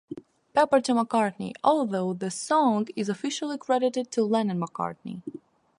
Pepper to McCartney, although the song is officially credited to Lennon-McCartney.